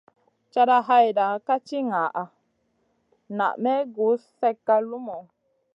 Cata hayta ka ti ŋaʼa naa may gus slèkka lumuʼu.